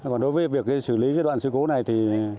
còn đối với việc xử lý đoạn xử cố này thì